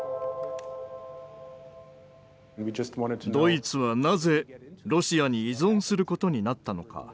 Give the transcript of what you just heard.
ドイツはなぜロシアに依存することになったのか？